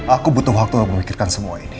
aku butuh waktu yang memi pixeliki semuaini